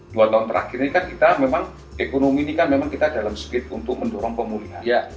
dua tahun terakhir ini kan kita memang ekonomi ini kan memang kita dalam speed untuk mendorong pemulihan